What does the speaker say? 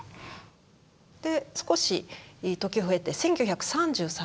で少し時を経て１９３３年。